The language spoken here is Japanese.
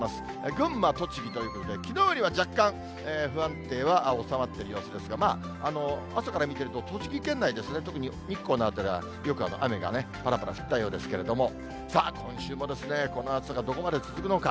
群馬、栃木ということで、きのうよりは若干不安定は収まっている様子ですが、まあ、朝から見てると、栃木県内ですね、特に日光の辺りはよく雨がぱらぱら降ったようですけれども、さあ、今週もこの暑さがどこまで続くのか。